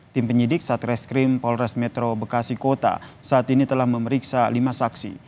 tim penyidik satreskrim polres metro bekasi kota saat ini telah memeriksa lima saksi